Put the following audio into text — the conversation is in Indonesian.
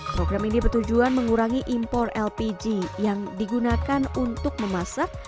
program ini bertujuan mengurangi impor lpg yang digunakan untuk memasak